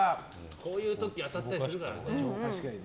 こういう時当たったりするからね。